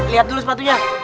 lihat dulu sepatunya